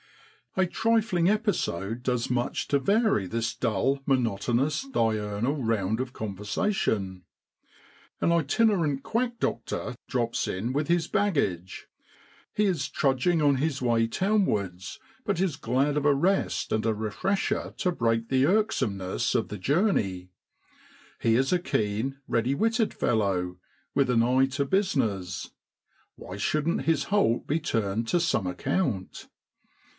A trifling episode does much to vary this dull, monotonous, diurnal round of conversation. An itinerant quack doctor drops in with his baggage; he is trudg ing on his way townwards, but is glad of a rest and a refresher to break the irk someness of the journey. He is a keen, ready witted fellow, with an eye to busi ness; why shouldn't his halt be turned to some account?